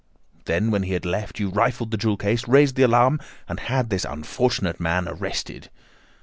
Then, when he had left, you rifled the jewel case, raised the alarm, and had this unfortunate man arrested.